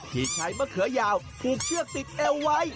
ที่ใช้มะเขือยาวผูกเชือกติดเอวไว้